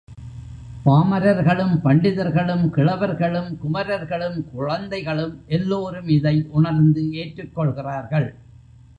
பாமரர்களும், பண்டிதர்களும், கிழவர்களும், குமரர்களும், குழந்தைகளும் எல்லோரும் இதை உணர்ந்து ஏற்றுக் கொள்கிறார்கள்.